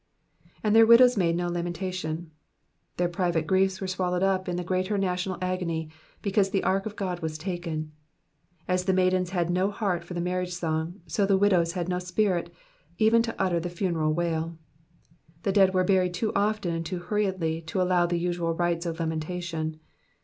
^*'And their widows made no lamentation.'^* Their private griefs were swallowed up in the greater national agony, because the ark of God was taken. As the maidens had no heart for the marriage song, so the widows had no spirit, even to utter the funeral wail. The dead were buried too often and too hurriedly to allow of the usual rites of lamentation.